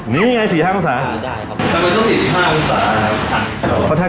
นี่ไง๔๕องศาได้ครับทำไมต้อง๔๕องศาครับ